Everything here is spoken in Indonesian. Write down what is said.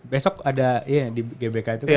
besok ada di gbk itu